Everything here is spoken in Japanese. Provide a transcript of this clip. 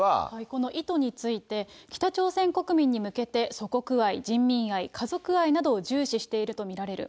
この意図について、北朝鮮国民に向けて祖国愛、人民愛、家族愛などを重視していると見られる。